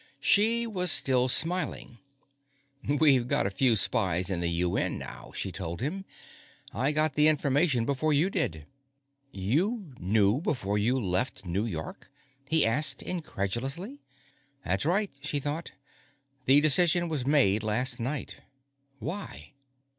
She was still smiling. We've got a few spies in the UN now, she told him. I got the information before you did. You knew before you left New York? he asked incredulously. That's right, she thought. _The decision was made last night. Why?